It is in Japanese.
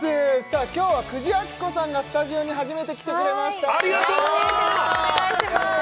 今日は久慈暁子さんがスタジオに初めて来てくれましたありがとお願いします